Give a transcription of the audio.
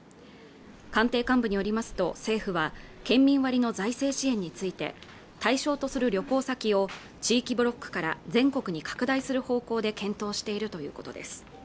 官邸幹部によりますと政府は県民割の財政支援について対象とする旅行先を地域ブロックから全国に拡大する方向で検討しているということです